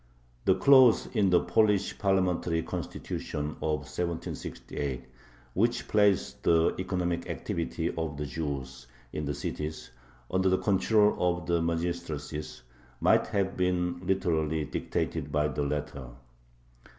The clause in the Polish parliamentary Constitution of 1768, which placed the economic activity of the Jews in the cities under the control of the magistracies, might have been literally dictated by the latter.